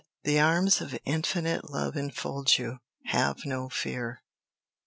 The arms of infinite love enfold you have no fear.